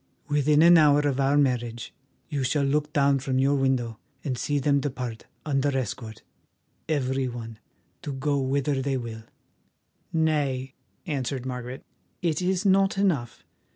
Within an hour of our marriage you shall look down from your window and see them depart under escort, every one, to go whither they will." "Nay," answered Margaret, "it is not enough.